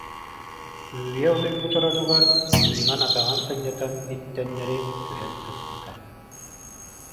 Үүйэ утуйбут оронугар Симон атаҕын сынньатан, иттэннэрэ түһэн сыппыта.